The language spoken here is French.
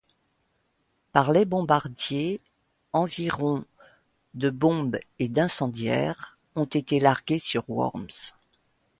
Par les bombardiers, environ de bombes et d'incendiaires ont été larguées sur Worms.